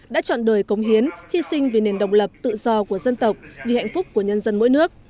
đã chọn đời công hiến hy sinh vì nền độc lập tự do của dân tộc vì hạnh phúc của nhân dân mỗi nước